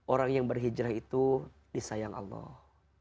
orang yang berhijrah itu disayang allah